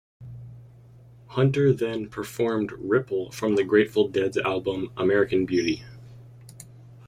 Hunter then performed "Ripple" from the Grateful Dead's album "American Beauty".